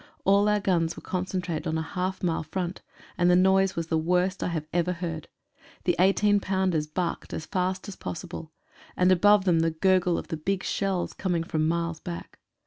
All our guns were concentrated on a half mile front, and the noise was the worst I have ever heard. The 18 pounders barked as fast as possible, and above them the gurgle of the big shells coming from miles back.